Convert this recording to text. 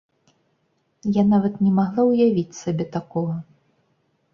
Я нават не магла ўявіць сабе такога.